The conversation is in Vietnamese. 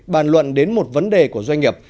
bàn luận đến một vấn đề của doanh nghiệp